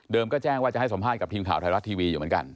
ก็แจ้งว่าจะให้สัมภาษณ์กับทีมข่าวไทยรัฐทีวีอยู่เหมือนกัน